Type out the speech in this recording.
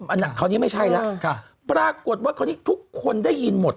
อันนี้คราวนี้ไม่ใช่แล้วปรากฏว่าคราวนี้ทุกคนได้ยินหมด